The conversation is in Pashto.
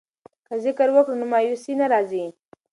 که ذکر وکړو نو مایوسي نه راځي.